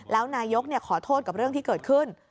แล้วนายกขอโทษกับเรื่องที่เกิดขึ้น